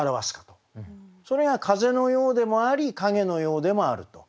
それが風のようでもあり影のようでもあると。